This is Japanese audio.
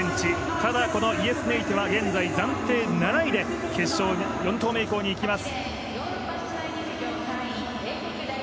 ただ、このイェスネイテは現在暫定７位で決勝４投目以降にいきます。